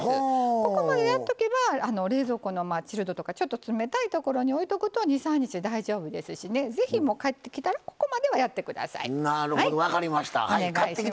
ここまでやっとけば冷蔵庫のチルドとかちょっと冷たいところに置いておくと２３日大丈夫ですし買ってきたらここまではやってください。